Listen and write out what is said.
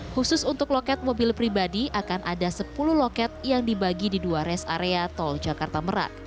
khusus untuk loket mobil pribadi akan ada sepuluh loket yang dibagi di dua rest area tol jakarta merak